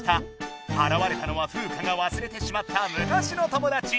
あらわれたのはフウカがわすれてしまったむかしの友だち。